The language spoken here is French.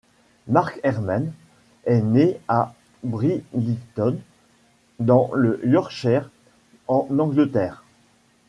Mark Herman est né à Bridlington dans le Yorkshire en Angleterre.